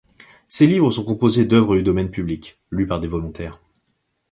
Ces livres sont composés d'œuvres du domaine public, lues par des volontaires.